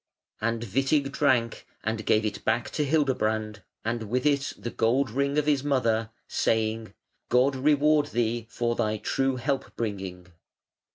And Witig drank and gave it back to Hildebrand, and with it the gold ring of his mother, saying: "God reward thee for thy true help bringing".